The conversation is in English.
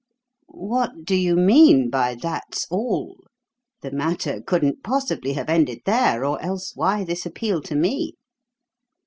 "What do you mean by 'that's all'? The matter couldn't possibly have ended there, or else why this appeal to me?"